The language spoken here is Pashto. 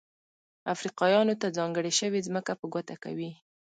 افریقایانو ته ځانګړې شوې ځمکه په ګوته کوي.